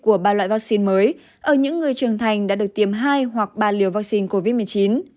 của ba loại vaccine mới ở những người trưởng thành đã được tiêm hai hoặc ba liều vaccine covid một mươi chín